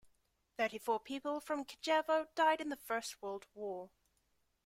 Thirty-four people from Kijevo died in the First World War.